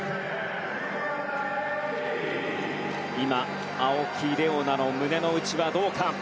今、青木玲緒樹の胸の内はどうか。